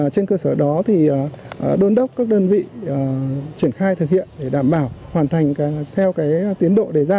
trên cơ sở đó thì đôn đốc các đơn vị triển khai thực hiện để đảm bảo hoàn thành theo tiến độ đề ra